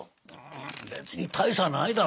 別に大差ないだろ。